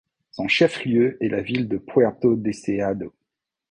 Son chef-lieu est la ville de Puerto Deseado.